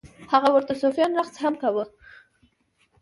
هغه ورته صوفیانه رقص هم کاوه.